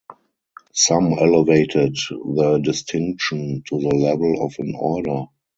Some elevated the distinction to the level of an order.